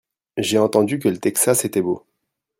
J'ai entendu que le Texas était beau.